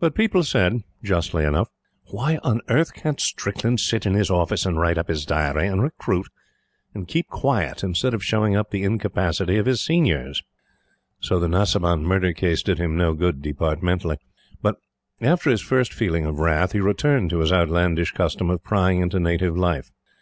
But people said, justly enough: "Why on earth can't Strickland sit in his office and write up his diary, and recruit, and keep quiet, instead of showing up the incapacity of his seniors?" So the Nasiban Murder Case did him no good departmentally; but, after his first feeling of wrath, he returned to his outlandish custom of prying into native life.